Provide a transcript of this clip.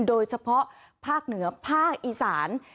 โดยเฉพาะภาคเหนือภาคอีสาน